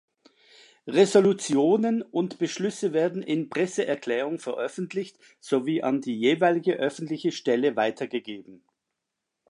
Resolutionen und Beschlüsse werden in Presseerklärungen veröffentlicht sowie an die jeweilige öffentliche Stelle weitergegeben.